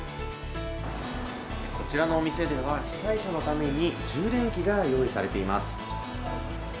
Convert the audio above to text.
こちらのお店では、被災者のために充電器が用意されています。